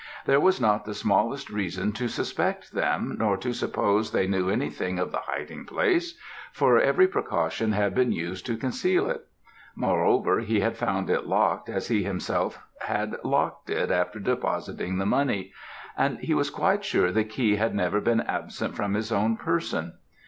There was not the smallest reason to suspect them, nor to suppose they knew anything of the hiding place, for every precaution had been used to conceal it; moreover, he had found it locked as he himself had locked it after depositing the money, and he was quite sure the key had never been absent from his own person.